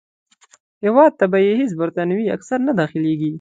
هیواد ته به یې هیڅ برټانوي عسکر نه داخلیږي.